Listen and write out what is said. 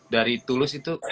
dari tulus itu